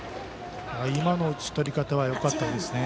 今の打ち取り方はよかったですね。